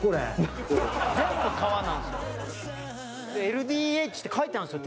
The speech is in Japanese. ＬＤＨって書いてあるんですよ。